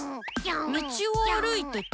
道を歩いてて。